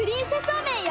おめんよ。